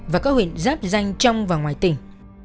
và các huyện giáp danh trong và ngoài tỉnh